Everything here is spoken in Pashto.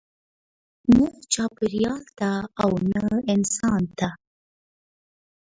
نه چاپیریال ته او نه انسان ته.